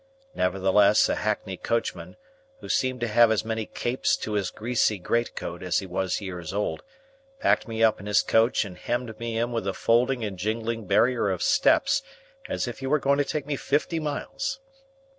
Nevertheless, a hackney coachman, who seemed to have as many capes to his greasy great coat as he was years old, packed me up in his coach and hemmed me in with a folding and jingling barrier of steps, as if he were going to take me fifty miles.